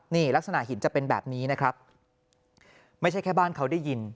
นี่ลักษณะหินจะเป็นแบบนี้นะครับไม่ใช่แค่บ้านเขาได้ยิน